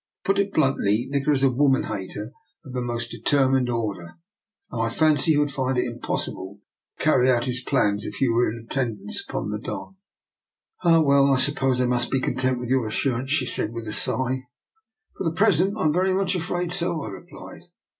To put it bluntly, Nikola is a woman hater of the most determined order, and I fancy he would find it impossible to carry out his plans if you were in attendance upon the Don." " Ah, well, I suppose I must be content with your assurance," she said with a sigh. " For the present, I am very much afraid so," I replied.